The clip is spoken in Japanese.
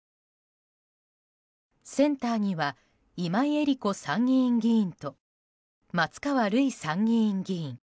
センターには今井絵理子参議院議員と松川るい参議院議員。